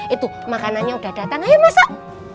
itu makanannya udah datang ayo masak